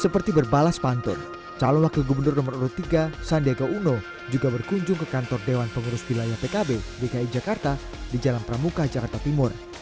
seperti berbalas pantun calon wakil gubernur nomor tiga sandiaga uno juga berkunjung ke kantor dewan pengurus wilayah pkb dki jakarta di jalan pramuka jakarta timur